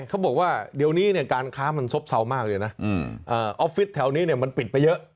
เขาบอกว่าเดี๋ยวนี้เนี่ยการค้ามันซบเซามากเลยนะออฟฟิศแถวนี้เนี่ยมันปิดไปเยอะ